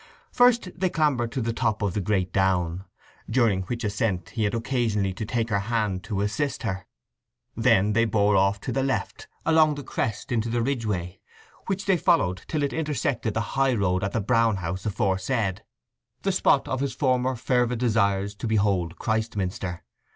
First they clambered to the top of the great down, during which ascent he had occasionally to take her hand to assist her. Then they bore off to the left along the crest into the ridgeway, which they followed till it intersected the high road at the Brown House aforesaid, the spot of his former fervid desires to behold Christminster.